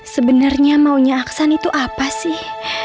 sebenarnya maunya aksan itu apa sih